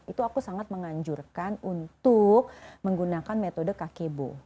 itu aku sangat menganjurkan untuk menggunakan metode kakekbo